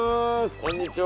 こんにちは。